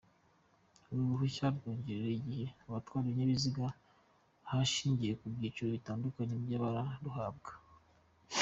Uru ruhushya rwongerera igihe abatwara ibinyabiziga hashingiye ku byiciro bitandukanye by’abaruhabwa.